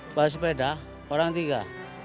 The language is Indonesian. ke jebak sepeda orang tiga